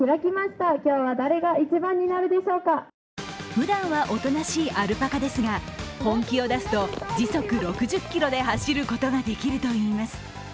ふだんはおとなしいアルパカですが本気を出すと時速６０キロで走ることができるといいます。